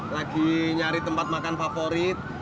lagi nyari tempat makan favorit